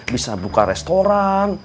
bisa buka restoran